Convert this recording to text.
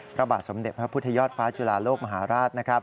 พระบาทสมเด็จพระพุทธยอดฟ้าจุฬาโลกมหาราช